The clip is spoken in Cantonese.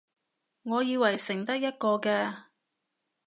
我以為剩得一個嘅